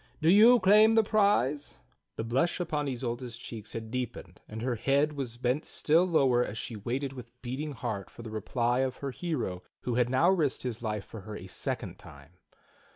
Do you claim the prize The blush upon Isolda's cheeks had deepened, and her head was bent still lower as she waited with beating heart for the reply of her hero who had now risked his life for her a second time.